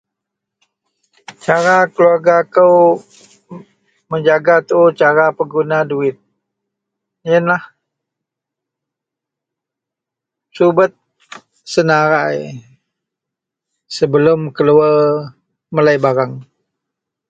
Cara keluarga kou menjaga tuo peguna duwit iyenlah subet senarai sebelum keluwar melei bareang.